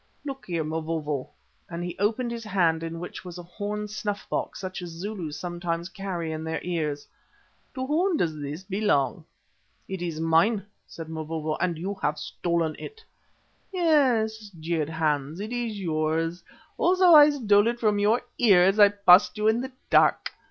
Look here, Mavovo," and he opened his hand in which was a horn snuff box such as Zulus sometimes carry in their ears. "To whom does this belong?" "It is mine," said Mavovo, "and you have stolen it." "Yes," jeered Hans, "it is yours. Also I stole it from your ear as I passed you in the dark.